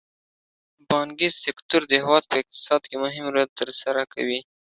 بانکي سکتور د هېواد په اقتصاد کې مهم رول تر سره کوي.